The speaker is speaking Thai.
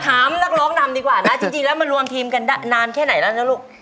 นักร้องนำดีกว่านะจริงแล้วมารวมทีมกันนานแค่ไหนแล้วนะลูก